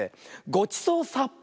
ごちそうさっぱ！